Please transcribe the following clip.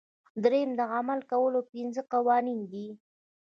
دریم د عمل کولو پنځه قوانین دي.